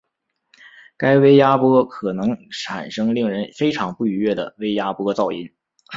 该微压波可能产生令人非常不愉悦的微压波噪音。